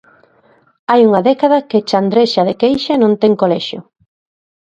Hai unha década que Chandrexa de Queixa non ten colexio.